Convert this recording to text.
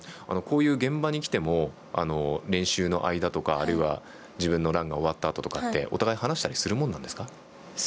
こういう現場に来ても練習の間とかあるいは自分のランが終わったあとってお互い話したりするものですか？